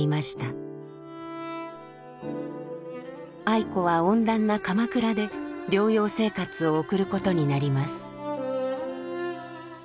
愛子は温暖な鎌倉で療養生活を送ることになります。